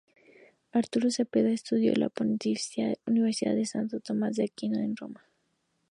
Arturo Cepeda estudió en la Pontificia Universidad de Santo Tomás de Aquino en Roma.